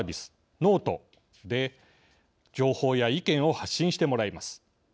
ｎｏｔｅで情報や意見を発信してもらいます。